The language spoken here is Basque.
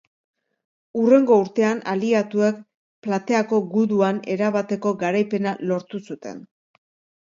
Hurrengo urtean, aliatuek Plateako guduan erabateko garaipena lortu zuten.